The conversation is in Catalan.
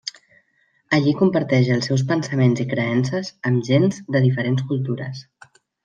Allí comparteix els seus pensaments i creences amb gents de diferents cultures.